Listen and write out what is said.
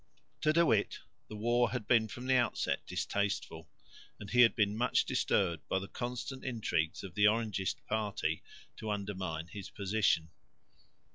To De Witt the war had been from the outset distasteful; and he had been much disturbed by the constant intrigues of the Orangist party to undermine his position.